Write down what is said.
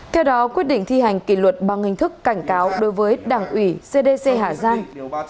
theo đó quyết định thi hành kỷ luật bằng hình thức cảnh cáo đối với đảng ủy cdc hà giang